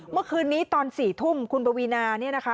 เมื่อคืนนี้ตอน๔ทุ่มคุณปวีนาเนี่ยนะคะ